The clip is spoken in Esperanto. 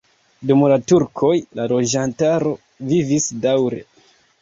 Dum la turkoj la loĝantaro vivis daŭre.